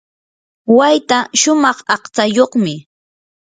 wayta shumaq aqtsayuqmi.